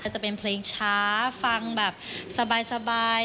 จะเป็นเพลงช้าฟังแบบสบาย